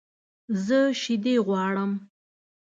زه شیدې غواړم